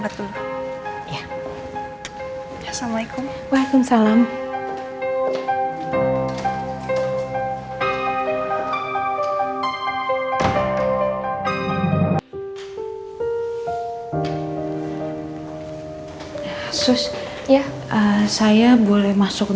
aku masih dengan perasaanku